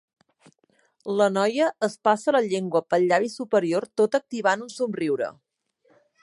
La noia es passa la llengua pel llavi superior tot activant un somriure.